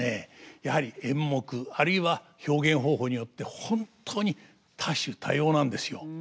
やはり演目あるいは表現方法によって本当に多種多様なんですよ。